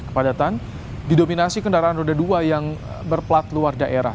kepadatan didominasi kendaraan roda dua yang berplat luar daerah